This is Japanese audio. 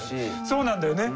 そうなんだよね。